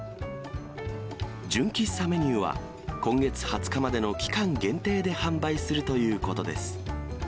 純喫茶メニューは、今月２０日までの期間限定で販売するということです。